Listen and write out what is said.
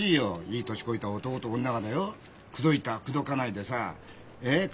いい年こいた男と女がだよ「口説いた口説かない」でさええ？